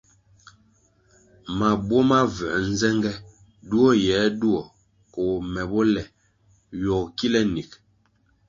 Mabuo ma vuē nzenge duo yir na duo koh me bo le ywogo kile nig.